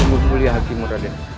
semoga mulia hakimmu raden